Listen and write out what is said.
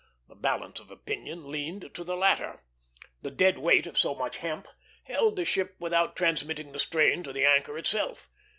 The balance of opinion leaned to the latter; the dead weight of so much hemp held the ship without transmitting the strain to the anchor itself.